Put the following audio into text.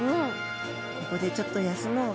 ここでちょっと休もう。